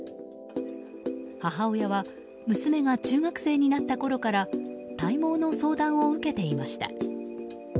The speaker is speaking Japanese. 母親は娘が中学生になったころから体毛の相談を受けていました。